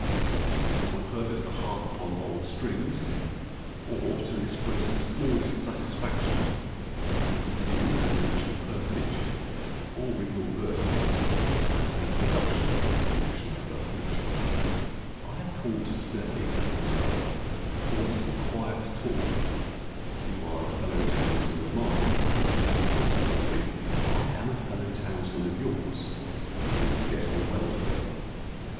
It is not my purpose to harp Upon old strings, Or to express the smallest satisfaction Either with you as an official personage Or with your verses as a production of an official personage; I have called to day, as it were, For a little quiet talk: You are a fellow townsman of mine, Consequently I am a fellow townsman of yours; We ought to get on well together.